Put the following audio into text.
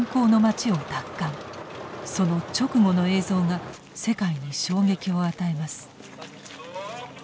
その直後の映像が世界に衝撃を与えます。